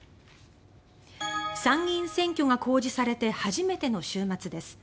参議院選挙が公示されて初めての週末です。